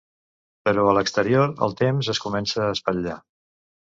Però a l'exterior el temps es comença a espatllar.